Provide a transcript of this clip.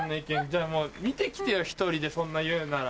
じゃあもう見て来てよ１人でそんな言うなら。